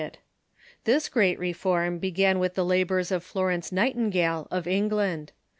This great reform began with the labors of Florence Night ingale, of England.